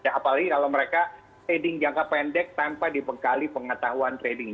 jadi kripto ini juga bisa memiliki jangka pendek tanpa dipengkali pengetahuan trading